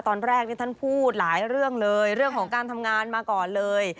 ตอนแรกนี่ท่านพูดหลายเรื่องเลยเรื่องของการทำงานมาก่อนเลย